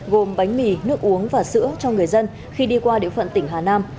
gồm bánh mì nước uống và sữa cho người dân khi đi qua địa phận tỉnh hà nam